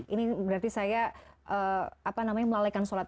ini berarti saya melalaikan sholat